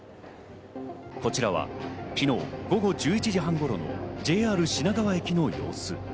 こちらは昨日、午後１１時半頃のＪＲ品川駅の様子。